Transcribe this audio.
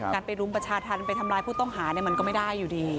ไปรุมประชาธรรมไปทำร้ายผู้ต้องหามันก็ไม่ได้อยู่ดี